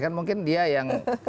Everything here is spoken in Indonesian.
kan mungkin dia yang